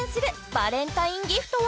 バレンタインギフトは？